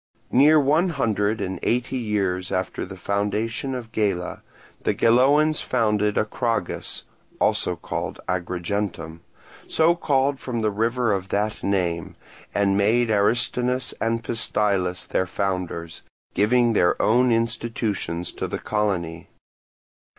Near one hundred and eight years after the foundation of Gela, the Geloans founded Acragas (Agrigentum), so called from the river of that name, and made Aristonous and Pystilus their founders; giving their own institutions to the colony.